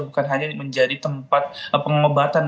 bukan hanya menjadi tempat pengobatan